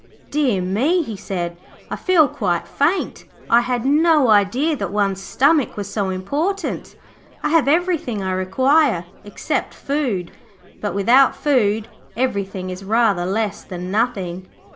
'Dear me,' he said, 'I feel quite faint. I had no idea that one's stomach was so important. I have everything I require, except food; but without food everything is rather less than nothing.